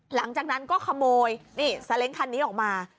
หลังจากนั้นก็ขโมยนี่ซาเล้งคันนี้ออกมา